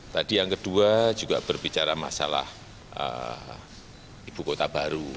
tadi yang kedua juga berbicara masalah ibu kota baru